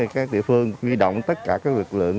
các địa phương quy động tất cả lực lượng